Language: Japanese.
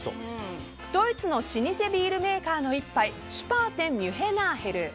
ドイツの老舗ビールメーカーの１杯シュパーテンミュヘナーヘル。